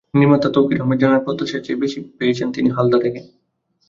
নির্মাতা তৌকীর আহমেদ জানালেন, প্রত্যাশার চেয়ে বেশি পেয়েছেন তিনি হালদা থেকে।